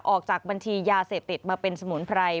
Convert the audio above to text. ออกจากบัญชียาเสพติดมาเป็นสมุนไพร